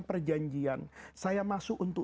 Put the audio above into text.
perjanjian saya masuk untuk